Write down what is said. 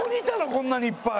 こんなにいっぱい。